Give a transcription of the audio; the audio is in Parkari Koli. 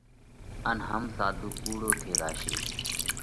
ان هم ساڌُو ڪُوڙو ٿي زاشي۔